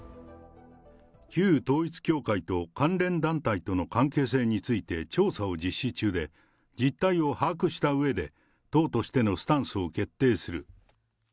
旧統一教会と関連団体との関係性について調査を実施中で、実態を把握したうえで党としてのスタンスを決定する。